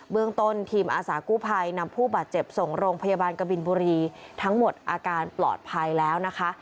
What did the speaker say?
เมืองต้นทีมอาสากู้ภัยนำผู้บาดเจ็บส่งโรงพยาบาลกบินบุรีทั้งหมดอาการปลอดภัยแล้วนะคะ